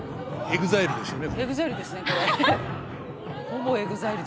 ほぼＥＸＩＬＥですね。